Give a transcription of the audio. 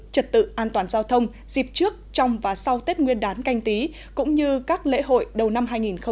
trật tự an toàn giao thông dịp trước trong và sau tết nguyên đán canh tí cũng như các lễ hội đầu năm hai nghìn hai mươi